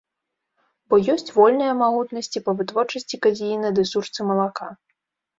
Бо ёсць вольныя магутнасці па вытворчасці казеіна ды сушцы малака.